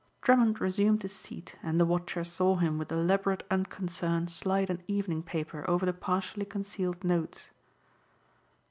Drummond resumed his seat and the watcher saw him with elaborate unconcern slide an evening paper over the partially concealed notes.